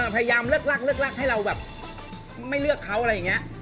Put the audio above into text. พยายามเลิกให้เราไม่เลือกเขาอะไรอย่างนี้